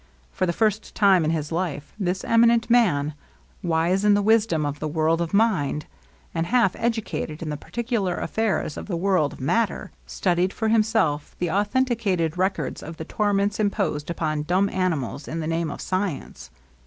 For the first time in his life, this eminent man, wise in the wis dom of the world of mind, and half educated in the practical affairs of the world of matter, studied for himself the authenticated records of the torments imposed upon dumb animals in the name of science.